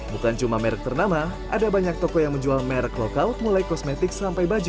bukan cuma merek ternama ada banyak toko yang menjual merek lokal mulai kosmetik sampai baju